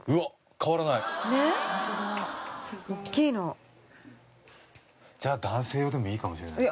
変わらないねっおっきいのじゃあ男性用でもいいかもしれないいや